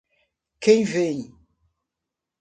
Quem vem?